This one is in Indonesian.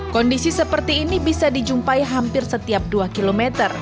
kondisi seperti ini bisa dijumpai hampir setiap dua km